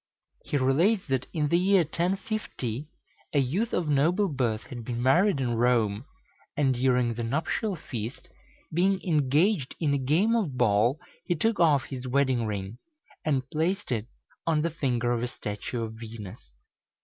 He relates that in the year 1050, a youth of noble birth had been married in Rome, and during the nuptial feast, being engaged in a game of ball, he took off his wedding ring, and placed it on the finger of a statue of Venus.